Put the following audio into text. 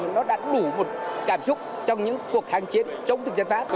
nó đã đủ một cảm xúc trong những cuộc kháng chiến chống thực dân pháp